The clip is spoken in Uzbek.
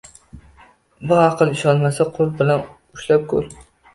Bu aql ishonmasa, qo‘l bilan ushlab ko‘r!